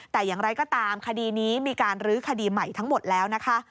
แต่อย่างไรก็ตามคดีนี้มีการลื้อคดีใหม่ทั้งหมดแล้วนะคะ